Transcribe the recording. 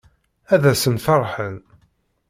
Ad asen-ferḥen.